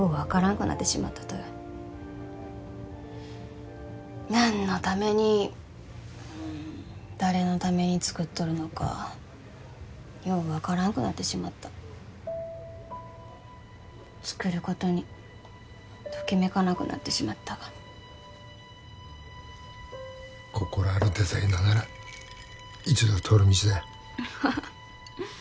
くなってしまったとよ何のために誰のために作っとるのかよう分からんくなってしまった作ることにときめかなくなってしまったが心あるデザイナーなら一度は通る道だよはっ